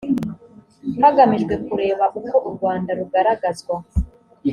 hagamijwe kureba uko u rwanda rugaragazwa